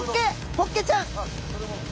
ホッケちゃん。